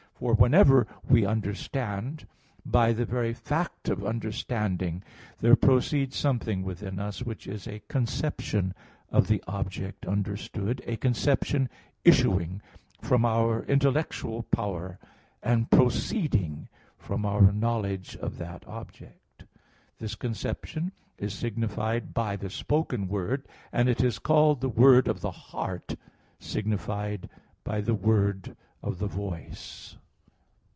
For whenever we understand, by the very fact of understanding there proceeds something within us, which is a conception of the object understood, a conception issuing from our intellectual power and proceeding from our knowledge of that object. This conception is signified by the spoken word; and it is called the word of the heart signified by the word of the voice.